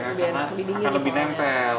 karena akan lebih nempel